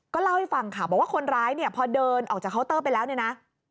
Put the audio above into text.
เล่าให้ฟังค่ะบอกว่าคนร้ายเนี่ยพอเดินออกจากเคาน์เตอร์ไปแล้วเนี่ยนะ